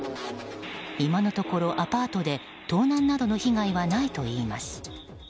今のところ、アパートで盗難などの被害はないといいます。